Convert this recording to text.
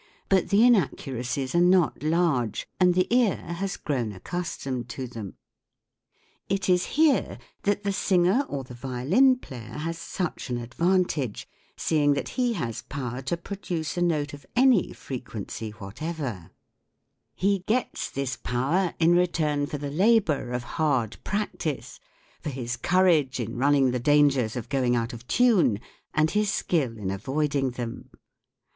But the inaccuracies are not large and the ear has grown accustomed to them. It is here that the singer or the violin player has such an advantage, seeing that he has power to produce a note of any frequency whatever : 5 he gets this power in return for the labour of hard practice, for his courage in running the dangers of going out of tune, and his skill in avoiding them.